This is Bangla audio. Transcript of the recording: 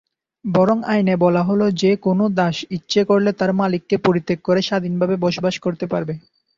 বরং আইনে বলা হলো যে, কোনো দাস ইচ্ছে করলে তার মালিককে পরিত্যাগ করে স্বাধীনভাবে বাস করতে পারবে।